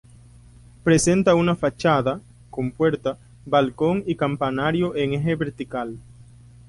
Presenta una fachada, con puerta, balcón y campanario en eje vertical.